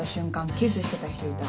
キスしてた人いた。